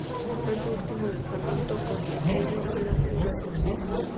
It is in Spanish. Fue su último lanzamiento con el sello Lazy Records.